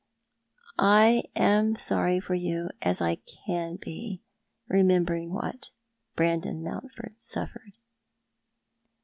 " I am as sorry for you as I can be, remembering what Brandon Mountford suffered."